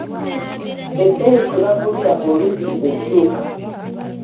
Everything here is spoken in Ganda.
Ebbeeyi kwe bagulira oluusi ekyuka.